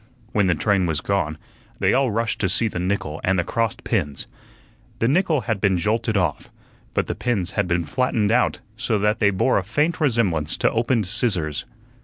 When the train was gone, they all rushed to see the nickel and the crossed pins. The nickel had been jolted off, but the pins had been flattened out so that they bore a faint resemblance to opened scissors.